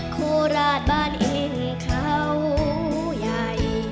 โคราชบ้านเองเขาใหญ่